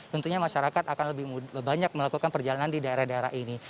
tentunya masyarakat akan lebih banyak melakukan perjalanan di daerah daerah ini